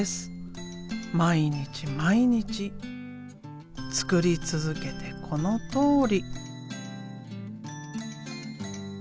毎日毎日作り続けてこのとおり。